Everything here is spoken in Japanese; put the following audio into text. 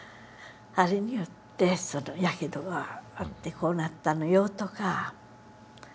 あれによってやけどがあってこうなったのよとか。